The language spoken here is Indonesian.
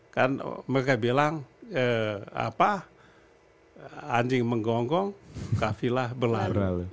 kan mereka bilang anjing menggonggong kafilah berlarut